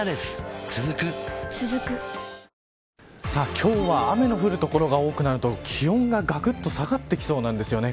今日は雨の降る所が多くなると気温ががくっと下がってきそうなんですね